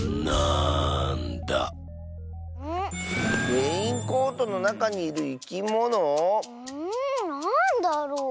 レインコートのなかにいるいきもの？んなんだろう？